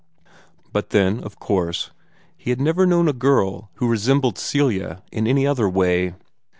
But then, of course, he had never known a girl who resembled Celia in any other way.